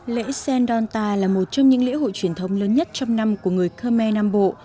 lễ sen đôn ta là một trong những lễ hội truyền thống lớn nhất trong năm của người khmer nam bộ